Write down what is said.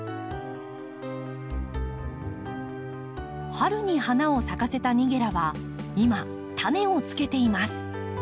春に花を咲かせたニゲラは今タネをつけています。